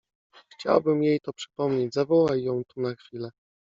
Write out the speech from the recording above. Chciałbym jej to przypomnieć… zawołaj ją tu na chwilę!